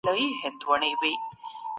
باید د کارګرانو حقوق په نظر کې ونیول سي.